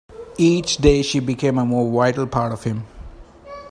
Each day she became a more vital part of him.